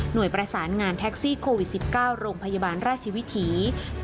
โดยประสานงานแท็กซี่โควิด๑๙โรงพยาบาลราชวิถี